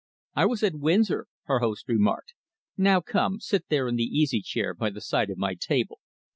"I was at Windsor," her host remarked. "Now come, sit there in the easy chair by the side of my table.